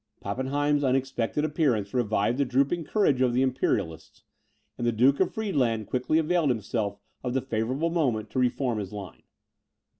Pappenheim's unexpected appearance revived the drooping courage of the Imperialists, and the Duke of Friedland quickly availed himself of the favourable moment to re form his line.